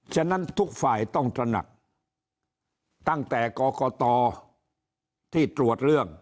ฉะนั้นทุกฝ่ายต้องตระหนักตั้งแต่กรกตที่ตรวจเรื่อง